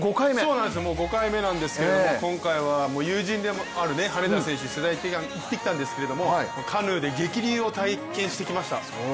そうなんですよ、もう５回目なんですけれども今回は友人でもある羽根田選手、取材に行ってきたんですが、カヌーで激流を体験してきました。